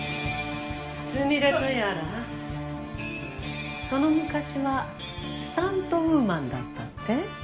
純玲とやらその昔はスタントウーマンだったって？